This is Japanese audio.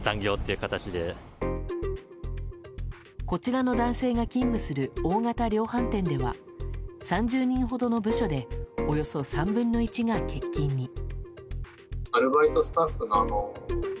こちらの男性が勤務する大型量販店では３０人ほどの部署でおよそ３分の１が欠勤に。